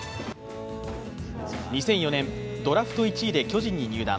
２００４年、ドラフト１位で巨人に入団。